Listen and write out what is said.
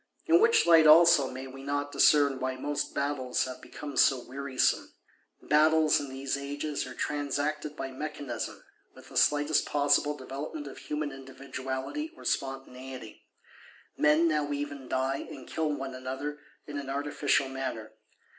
In which light also, may we not discern why most Battles have become so wearisome? Battles, in these ages, are transacted by mechanism; with the slightest possible developement of human individuality or spontaneity: men now even die, and kill one another, in an artificial manner.